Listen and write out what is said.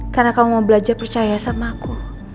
karena kamu mau belajar percaya sama aku